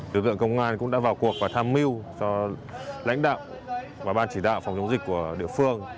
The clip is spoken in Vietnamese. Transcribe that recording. lực lượng công an cũng đã vào cuộc và tham mưu cho lãnh đạo và ban chỉ đạo phòng chống dịch của địa phương